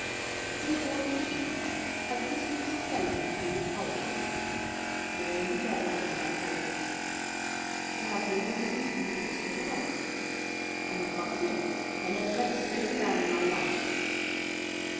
"Was he a politician? Had this secret society to do with politics?" "No, he cared nothing about politics." "You have no reason to think it was criminal?" "On the contrary, I never met a straighter man in my life."